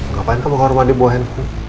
ngapain kamu ke rumah mandi buahin